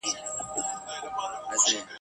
ستا په خوله کي مي د ژوند وروستی ساعت وو ..